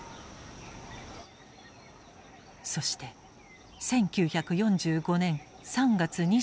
そして１９４５年３月２７日。